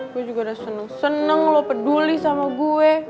gue juga udah seneng seneng lu peduli sama gue